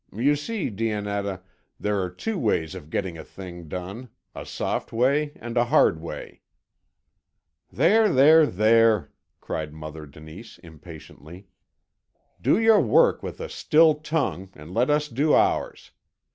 You see, Dionetta, there are two ways of getting a thing done, a soft way and a hard way." "There, there, there!" cried Mother Denise impatiently. "Do your work with a still tongue, and let us do ours.